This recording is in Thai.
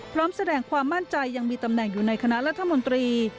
พร้อมแสดงความมั่นใจยังมีตำแหน่งอยู่ในคณะรัฐมนตรี